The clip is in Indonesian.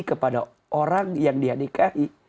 kepada orang yang dia nikahi